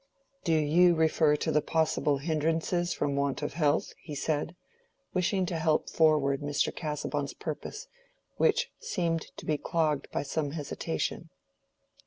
"You refer to the possible hindrances from want of health?" he said, wishing to help forward Mr. Casaubon's purpose, which seemed to be clogged by some hesitation.